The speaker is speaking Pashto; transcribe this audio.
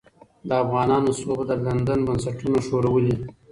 د افغانانو سوبه د لندن بنسټونه ښورولې.